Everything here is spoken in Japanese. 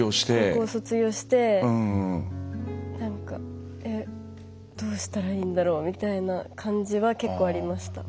高校卒業して何かどうしたらいいんだろうみたいな感じは結構ありました。